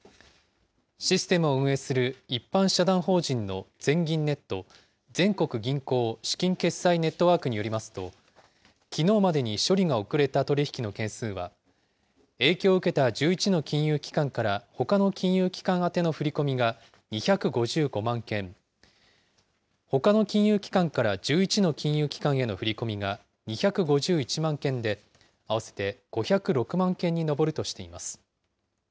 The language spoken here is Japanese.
システムを運営する一般社団法人の全銀ネット・全国銀行資金決済ネットワークによりますと、きのうまでに処理が遅れた取り引きの件数は、影響を受けた１１の金融機関からほかの金融機関宛ての振り込みが２５５万件、ほかの金融機関から１１の金融機関への振り込みが２５１万件で、合わせて５０６万件に上るとしています。